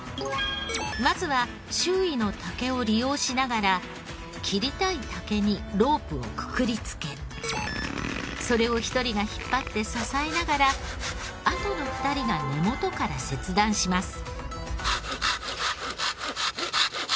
まずは周囲の竹を利用しながら切りたい竹にロープをくくりつけそれを１人が引っ張って支えながらあとの２人が根元から切断します。